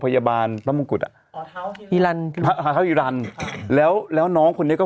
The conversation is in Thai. พยาบาลพระมงกุฎอ่ะอ๋อเท้าอีรันเท้าอีรันแล้วแล้วน้องคนนี้ก็